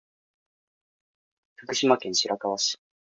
福島県白河市